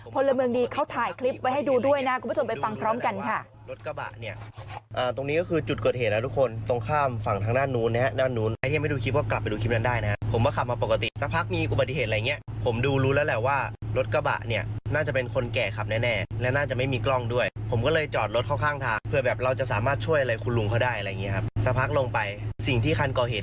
พลเมืองดีเขาถ่ายคลิปไว้ให้ดูด้วยนะคุณผู้ชมไปฟังพร้อมกันค่ะ